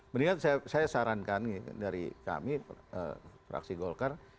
mendingan saya sarankan dari kami fraksi golkar